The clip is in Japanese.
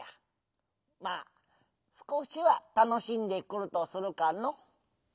まあ「すこしはたのしんでくる」とするかの。